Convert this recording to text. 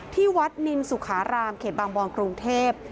ที่วัดนินสุขารามเขตบางบอนกรุงเทพ